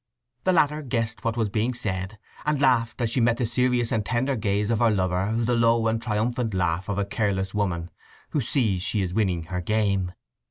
The latter guessed what was being said, and laughed as she met the serious and tender gaze of her lover—the low and triumphant laugh of a careless woman who sees she is winning her game.